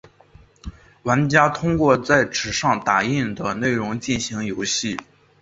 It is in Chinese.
玩家通过在纸上打印的内容进行游戏。